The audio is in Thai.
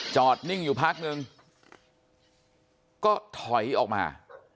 นิ่งอยู่พักนึงก็ถอยออกมา